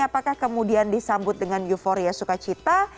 apakah kemudian disambut dengan euforia sukacita